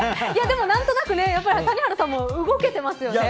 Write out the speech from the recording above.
でも何となくやっぱり谷原さんも動けてますよね。